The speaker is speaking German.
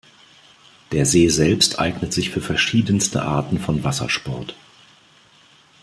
Der See selbst eignet sich für verschiedenste Arten von Wassersport.